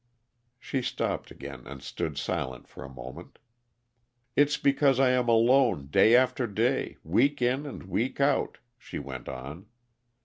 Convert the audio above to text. She stopped again, and stood silent for a moment. "It's because I am alone, day after day, week in and week out," she went on.